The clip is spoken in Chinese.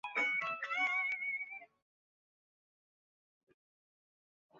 松栉圆盾介壳虫为盾介壳虫科栉圆盾介壳虫属下的一个种。